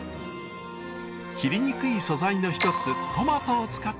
切りにくい素材の一つトマトを使って確かめます。